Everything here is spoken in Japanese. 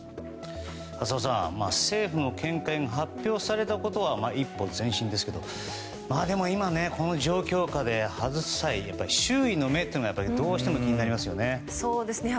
浅尾さん政府の見解が発表されたことは一歩前進ですがでもやっぱりこの状況下で外すのは周囲の目がどうしても気になりますね。